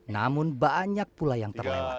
namun banyak pula yang terlewat